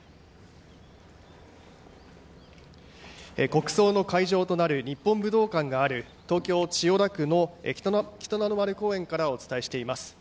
国葬の会場となる日本武道館がある東京・千代田区の北の丸公園からお伝えしています。